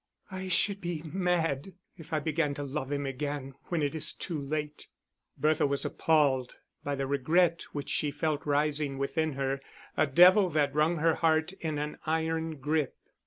"I should be mad if I began to love him again when it is too late." Bertha was appalled by the regret which she felt rising within her, a devil that wrung her heart in an iron grip.